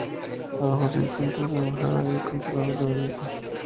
Abajo se encuentra las embajada y consulados de Belice.